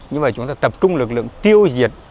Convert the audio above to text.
nhưng mà chúng ta tập trung lực lượng tiêu diệt